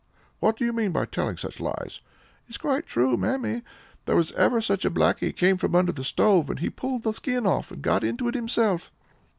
"What do you mean by telling such lies?" "It's quite true, Mammy! There was ever such a blackie came from under the stove, and he pulled the skin off, and got into it himself."